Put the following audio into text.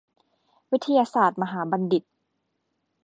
วิทยาศาสตร์มหาบัณฑิต